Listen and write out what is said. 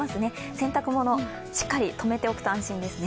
洗濯物、しっかりとめておくと安心ですね。